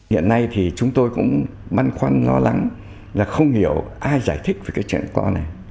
hiện nay thì chúng tôi cũng băn khoăn lo lắng là không hiểu ai giải thích về cái chuyện con này